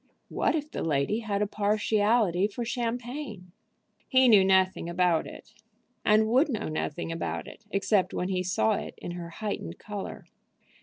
What if the lady had a partiality for champagne? He knew nothing about it, and would know nothing about it, except when he saw it in her heightened color.